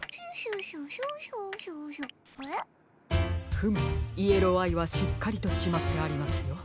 フムイエローアイはしっかりとしまってありますよ。